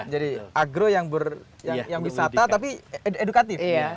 jadi agro yang wisata tapi edukatif